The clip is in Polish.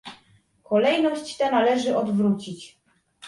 Kolejność tę należy odwrócić